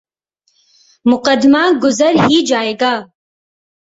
مقدمہ گزر ہی جائے گا۔